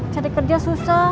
cari kerja susah